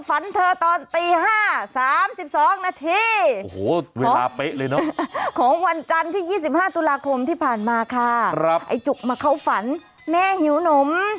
สามสิบสองนาทีของวันจันที่๒๕ตุลาคมที่ผ่านมาค่ะไอ้จุ๊กมาเข้าฝันแม่หิวหนม